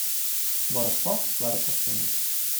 Борислав ствердно кинув: